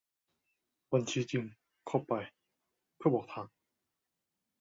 บัญชีจริง เข้าไป เพื่อบอกทาง